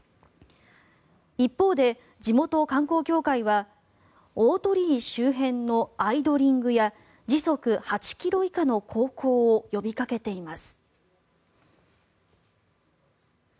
一方で、地元観光協会は大鳥居周辺のアイドリングや時速８ｋｍ以下の航行を呼びかけています。